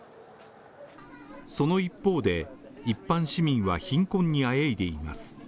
その一方で、一般市民は貧困にあえいでいます。